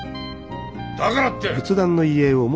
だからって！